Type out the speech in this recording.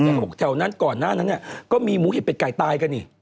เขาบอกแถวนั้นก่อนหน้านั้นเนี่ยก็มีหมูเห็ดเป็ดไก่ตายกันนี่